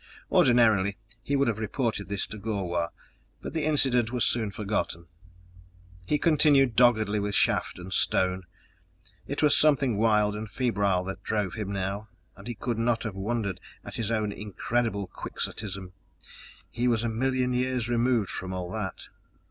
Ordinarily he would have reported this to Gor wah, but the incident was soon forgotten. He continued doggedly with shaft and stone. It was something wild and febrile that drove him now, and he could not have wondered at his own incredible quixotism he was a million years removed from that!